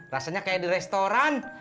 rasanya kayak di restoran